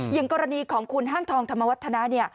อย่างกรณีของคุณห้างทองธรรมวัฒนาเนี่ย